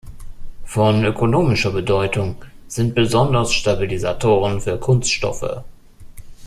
Von ökonomischer Bedeutung sind besonders Stabilisatoren für Kunststoffe.